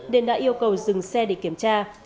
nên đã yêu cầu dừng xe để kiểm tra